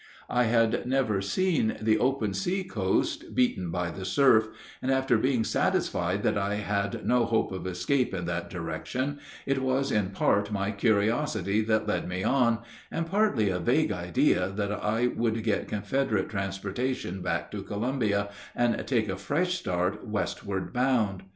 I had never seen the open sea coast beaten by the surf, and after being satisfied that I had no hope of escape in that direction it was in part my curiosity that led me on, and partly a vague idea that I would get Confederate transportation back to Columbia and take a fresh start westward bound.